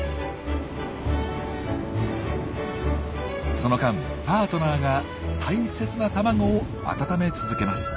その間パートナーが大切な卵を温め続けます。